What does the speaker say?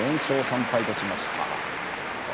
４勝３敗としました。